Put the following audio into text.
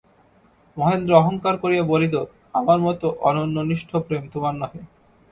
মহেন্দ্র অহংকার করিয়া বলিত, আমার মতো অনন্যনিষ্ঠ প্রেম তোমার নহে।